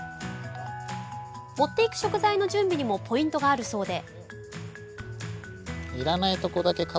持っていく食材の準備にもポイントがあるそうで。